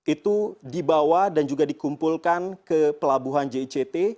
itu dibawa dan juga dikumpulkan ke pelabuhan jict